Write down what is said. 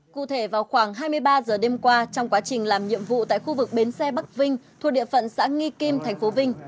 cụ thể vào khoảng hai mươi ba h đêm qua trong quá trình làm nhiệm vụ tại khu vực bến xe bắc vinh thuộc địa phận xã nghi kim tp vinh